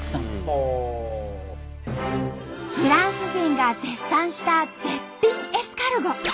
フランス人が絶賛した絶品エスカルゴ。